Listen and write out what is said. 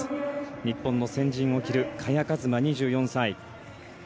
日本の先陣を切る萱和磨、２４歳。